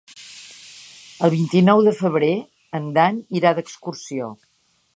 El vint-i-nou de febrer en Dan irà d'excursió.